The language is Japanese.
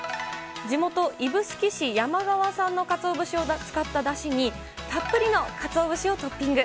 地元、指宿市山川産のかつお節を使っただしにたっぷりのかつお節をトッピング。